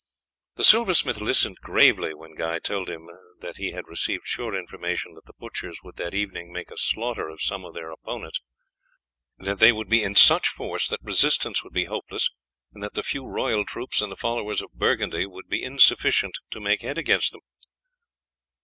The silversmith listened gravely when Guy told him that he had received sure information that the butchers would that evening make a slaughter of some of their opponents, that they would be in such force that resistance would be hopeless, and that the few royal troops and the followers of Burgundy would be insufficient to make head against them.